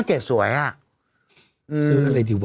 เพื่อนซีมเป็นอะไรดีวะ